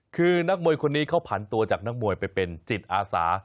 คือนักมวยคนนี้เขาผันตัวจากนักมวยไปเป็นจิตอาสา